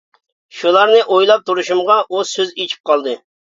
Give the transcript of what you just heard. شۇلارنى ئويلاپ تۇرۇشۇمغا، ئۇ سۆز ئىچىپ قالدى.